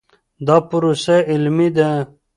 دا پروسه علمي ده.